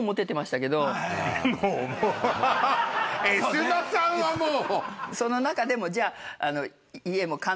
Ｓまさんはもう。